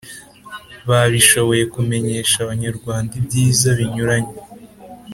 babishoboye kumenyesha abanyarwanda ibyiza binyuranye